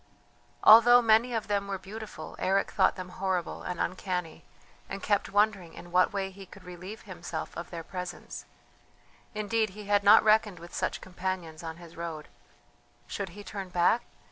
Although many of them were beautiful, Eric thought them horrible and uncanny, and kept wondering in what way he could relieve himself of their presence; indeed he had not reckoned with such companions on his road. Should he turn back?